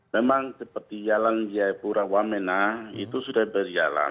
memang seperti jalan jaya pura wamena itu sudah berjalan